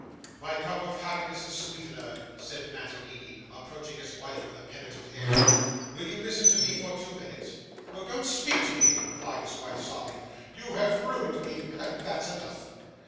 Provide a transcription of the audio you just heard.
'My cup of happiness's sweetener,' said Mantalini, approaching his wife with a penitent air; 'will you listen to me for two minutes?' 'Oh! don't speak to me,' replied his wife, sobbing. 'You have ruined me, and that's enough.